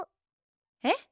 えっ？